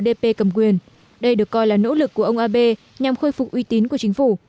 đây được coi là nỗ lực của ông abe nhằm khôi phục uy tín của chính phủ